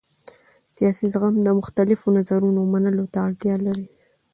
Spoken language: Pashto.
سیاسي زغم د مختلفو نظرونو منلو ته اړتیا لري